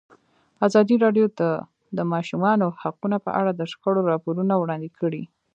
ازادي راډیو د د ماشومانو حقونه په اړه د شخړو راپورونه وړاندې کړي.